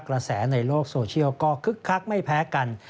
กระแสในโลกโซเชียลก็คึกคักไม่แพ้กัน